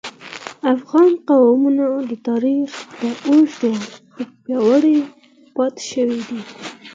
افغان قومونه د تاریخ په اوږدو کې پیاوړي پاتې شوي دي